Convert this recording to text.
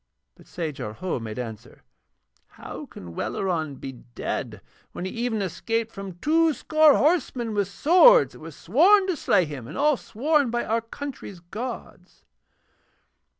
But Sajar Ho made answer: 'How can Welleran be dead when he even escaped from two score horsemen with swords that were sworn to slay him, and all sworn upon our country's gods?'